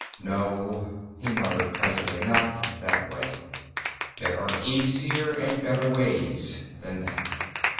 "No," he muttered presently; "not that way. There are easier and better ways than that."